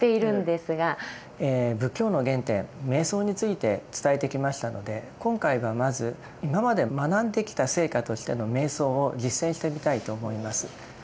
仏教の原点瞑想について伝えてきましたので今回はまず今まで学んできた成果としての瞑想を実践してみたいと思います。